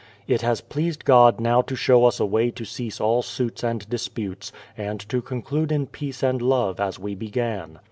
... It has pleased God now to show us a way to cease all suits and disputes, and to conclude in peace and love as we began.